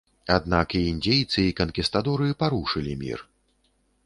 Аднак і індзейцы, і канкістадоры парушылі мір.